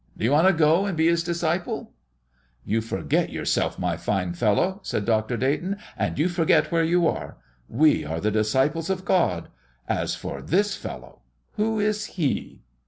Do you want to go and be His disciples?" "You forget yourself, my fine fellow," said Dr. Dayton, "and you forget where you are. We are the disciples of God. As for this Fellow who is He?"